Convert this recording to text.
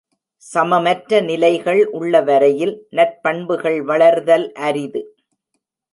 சமமற்ற நிலைகள் உள்ளவரையில் நற்பண்புகள் வளர்தல் அரிது.